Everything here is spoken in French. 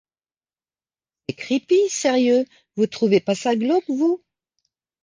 C’est creepy… Sérieux, vous trouvez pas ça glauque, vous ?